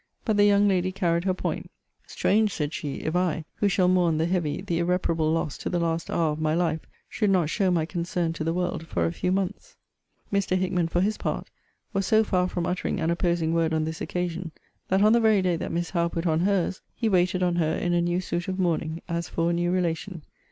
But the young lady carried her point 'Strange,' said she, 'if I, who shall mourn the heavy, the irreparable loss to the last hour of my life, should not show my concern to the world for a few months!' Mr. Hickman, for his part, was so far from uttering an opposing word on this occasion, that, on the very day that Miss Howe put on her's, he waited on her in a new suit of mourning, as for a near relation.